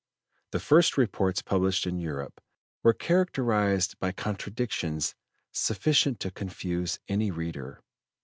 The first reports published in Europe were characterized by contradictions sufficient to confuse any reader.